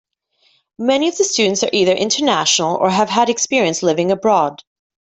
Many of the students are either international or have had experience living abroad.